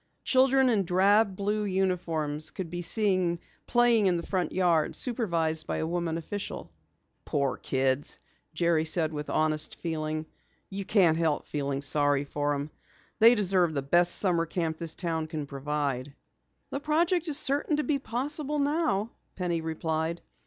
Children in drab blue uniforms could be seen playing in the front yard, supervised by a woman official. "Poor kids," Jerry said with honest feeling, "you can't help feeling sorry for 'em. They deserve the best summer camp this town can provide." "The project is certain to be possible now," Penny replied.